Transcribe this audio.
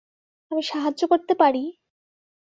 আমি সাহায্য করতে পারি?